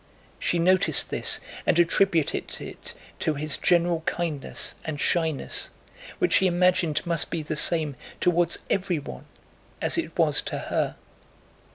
She noticed this and attributed it to his general kindness and shyness, which she imagined must be the same toward everyone as it was to her.